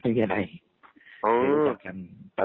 ไม่เป็นไรไม่รู้จักกัน